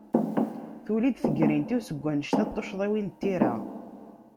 Tuli-d tegrint-iw seg wanect-a n tucḍiwin n tira.